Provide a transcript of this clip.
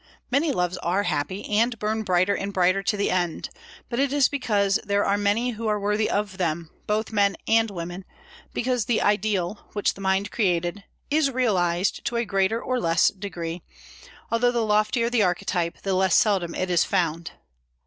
Many loves are happy, and burn brighter and brighter to the end; but it is because there are many who are worthy of them, both men and women, because the ideal, which the mind created, is realized to a greater or less degree, although the loftier the archetype, the less seldom is it found.